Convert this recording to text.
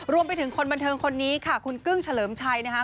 รวมไปถึงคนบันเทิงคนนี้ค่ะคุณกึ้งเฉลิมชัยนะคะ